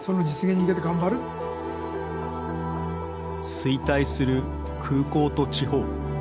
衰退する空港と地方。